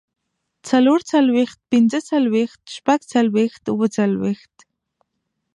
څلورڅلوېښت، پينځهڅلوېښت، شپږڅلوېښت، اووهڅلوېښت